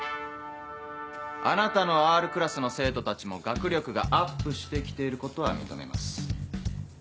あなたのＲクラスの生徒たちも学力がアップして来ていることは認めます。